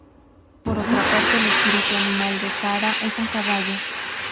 Por otra parte, el espíritu animal de Sarah es un caballo.